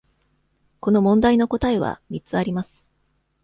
この問題の答えは三つあります。